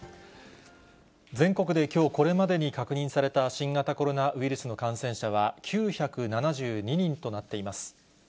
全国できょうこれまでに確認された新型コロナウイルスの感染者は９７２人となっています。